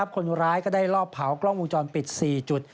คนร้ายก็ได้ลอบเผากล้องวงจรปิด๔จุด